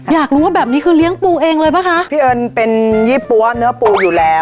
อยากรู้ว่าแบบนี้คือเลี้ยงปูเองเลยป่ะคะพี่เอิญเป็นยี่ปั๊วเนื้อปูอยู่แล้ว